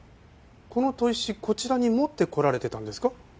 この砥石こちらに持ってこられてたんですか？